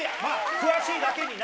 詳しいだけにな。